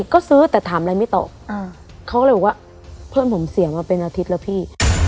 ก็ซื้อแต่ถามอะไรไม่ตอบเขาก็เลยบอกว่าเพื่อนผมเสียมาเป็นอาทิตย์แล้วพี่